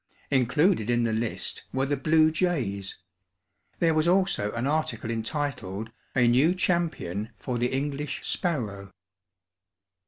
Included in the list were the blue jays. There was also an article entitled, "A new Champion for the English Sparrow."